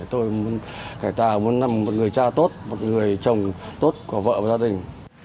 tôi muốn cải tàu muốn làm một người cha tốt một người chồng tốt có vợ và gia đình